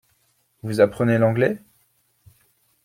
Vous apprenez l’anglais ?